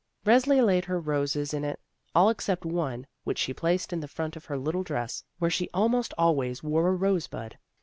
Resli laid her roses in it, all except one which she placed in the front of her little dress, where she almost always wore a rose bud.